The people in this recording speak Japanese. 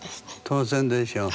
当然でしょう。